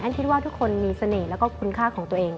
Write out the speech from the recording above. คิดว่าทุกคนมีเสน่ห์แล้วก็คุณค่าของตัวเอง